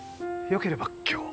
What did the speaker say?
よければ今日。